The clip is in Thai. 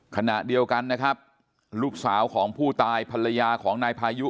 ขณะเดียวกันนะครับลูกสาวของผู้ตายภรรยาของนายพายุ